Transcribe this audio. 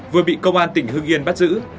vừa bị công an tỉnh hương yên bắt giữ